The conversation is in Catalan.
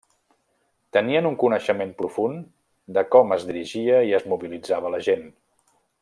Tenien un coneixement profund de com es dirigia i es mobilitzava la gent.